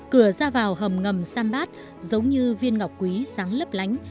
cửa ra vào hầm ngầm sambat giống như viên ngọc quý sáng lấp lánh